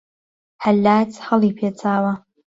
حەلاج هەڵی پێچاوە